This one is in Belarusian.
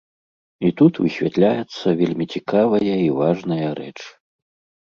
І тут высвятляецца вельмі цікавая і важная рэч.